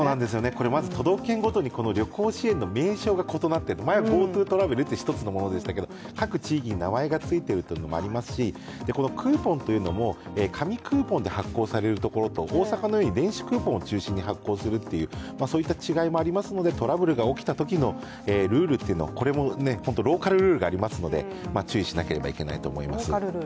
これまず都道府県ごとに旅行支援の名称が異なっていて、前はＧｏＴｏトラベルという一つのものでしたけど各地域で名前が付いているというのもありますしクーポンというのも、紙クーポンで発行されるところと大阪のように電子クーポンを中心に発行するという、そういった違いもありますのでトラブルが起きたときのルールというのもこれもローカルルールがありますので注意しなければいけないと思います。